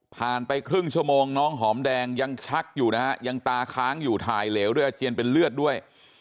ไปครึ่งชั่วโมงน้องหอมแดงยังชักอยู่นะฮะยังตาค้างอยู่ถ่ายเหลวด้วยอาเจียนเป็นเลือดด้วย